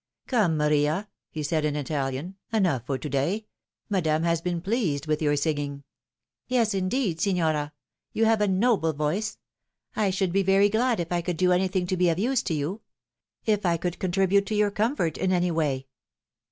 " Come, Maria," he said in Italian ;" enough for to day. Madame has been pleased with your singing." " Yes, indeed, signora. You have a noble voice. I should be very glad if I could do anything to be of use to you ; if I could contribute to your comfort in any way."